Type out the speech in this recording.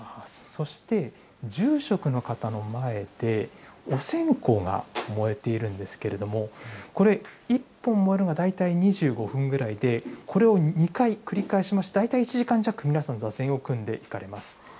そして住職の方の前で、お線香が燃えているんですけれども、これ、１本燃えるのが大体２５分ぐらいで、これを２回繰り返しまして、大体１時間弱、皆さん座禅を組んでいかれます。